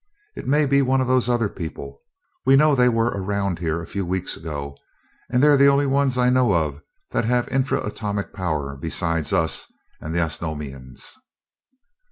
It may be one of those other people. We know they were around here a few weeks ago, and they're the only ones I know of that have intra atomic power besides us and the Osnomians."